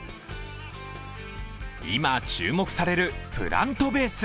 今、注目されるプラントベース。